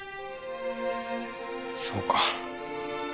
そうか。